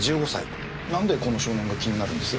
なんでこの少年が気になるんです？